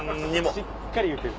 しっかり言うてる。